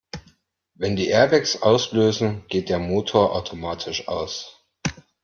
Wenn die Airbags auslösen, geht der Motor automatisch aus.